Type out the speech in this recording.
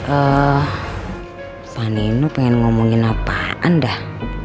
eh pak nino pengen ngomongin apaan dah